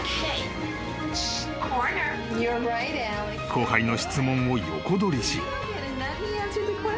［後輩の質問を横取りし］